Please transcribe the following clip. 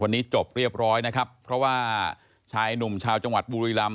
วันนี้จบเรียบร้อยนะครับเพราะว่าชายหนุ่มชาวจังหวัดบุรีรำ